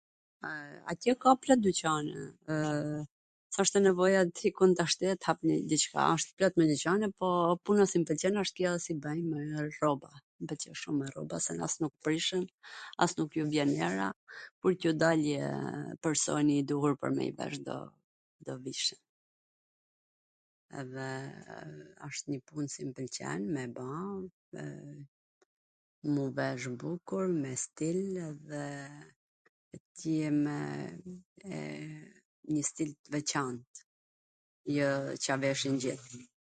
Atje ka plot dyqane, s wsht nevoja t ik un tashti e t hap njw diCka, gjithCka wsht plot me dyqane, po puna qw m pwlqen wsht kjo si bwj ... me vesh rroba, mw pwlqen shum me rroba, se as nuk prishen as nuk ju vjen era, por qw tw dali personi i duhur pwr me i vesh do do vish..., edhe asht njw pun qw m pwlqen me ba, m u vesh bukur, me stil, e t jemw njw stil t veCant, jo Ca veshin t gjith.